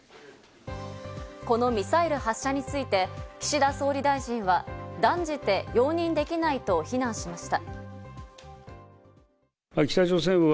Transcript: このミサイル発射について岸田総理大臣は断じて容認できないと非難しました。